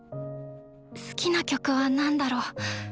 好きな曲はなんだろう？